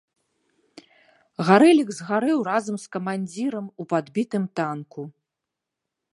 Гарэлік згарэў разам з камандзірам у падбітым танку.